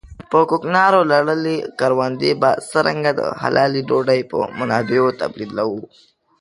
په کوکنارو لړلې کروندې به څرنګه د حلالې ډوډۍ په منابعو تبديلوو.